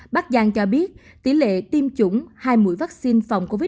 bắc giang cho biết tỷ lệ tiêm chủng hai mũi vaccine phòng covid một mươi